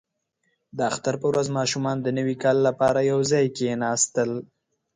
• د اختر په ورځ ماشومان د نوي کال لپاره یو ځای کښېناستل.